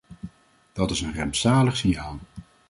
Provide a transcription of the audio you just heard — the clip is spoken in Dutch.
Dat is een rampzalig signaal.